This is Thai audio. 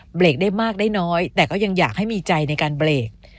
เบรกได้มากได้น้อยแต่ก็ยังอยากให้มีใจในการเบรก